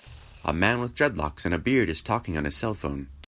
A man with dreadlocks and a beard is talking on his cellphone.